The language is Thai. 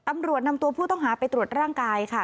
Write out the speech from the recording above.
ตำรวจนำตัวผู้ต้องหาไปตรวจร่างกายค่ะ